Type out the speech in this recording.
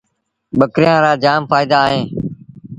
ٻڪريآݩ رآ جآم ڦآئيدآ اوهيݩ ۔